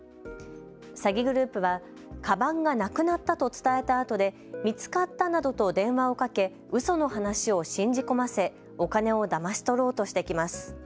詐欺グループはかばんがなくなったと伝えたあとで見つかったなどと電話をかけうその話を信じ込ませお金をだまし取ろうとしてきます。